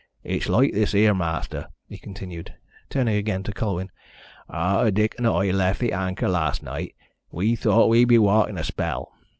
"It's loike this 'ere, ma'aster," he continued, turning again to Colwyn. "Arter Dick and I left the Anchor las' night, we thowt we'd be walkin' a spell.